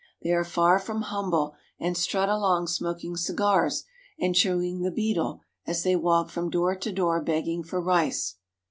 They are far from humble, and strut along smoking cigars and chewing the betel as they walk from door to door begging for rice.